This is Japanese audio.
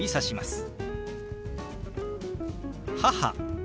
「母」。